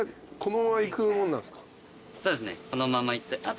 そうですね。